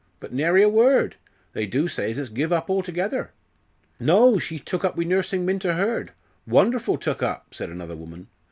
But nary a word. They do say as it's give up althegither." "No, she's took up wi' nursin' Minta Hurd wonderful took up," said another woman.